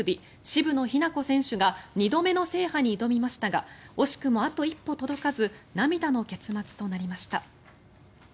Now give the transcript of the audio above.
渋野日向子選手が２度目の制覇に挑みましたが惜しくもあと一歩届かず涙の結末となりました。